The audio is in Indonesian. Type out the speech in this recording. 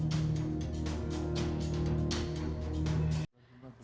nizar menambahkan penyusutan suara ini di kecamatan depok